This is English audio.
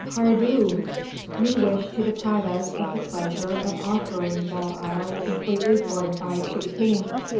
"Pardieu!" "You wished to deprive us of the pleasure of offering Bell Isle completely fortified to the king."